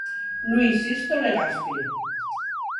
Luis Sixto Legaspi.